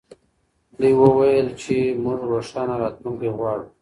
دوی وویل چې موږ روښانه راتلونکې غواړو.